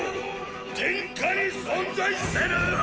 天下に存在せぬッ！！